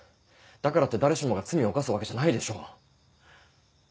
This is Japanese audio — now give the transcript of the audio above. だからって誰しもが罪を犯すわけじゃないでしょ。